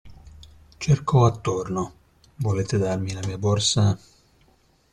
Cercò attorno: Volete darmi la mia borsa?